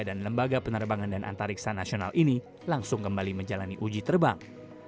dan lembaga penerbangan dan antariksa nasional ini langsung kembali menjalani uji terbang